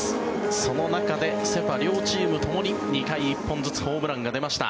その中でセ・パ両チームともに２回、１本ずつホームランが出ました。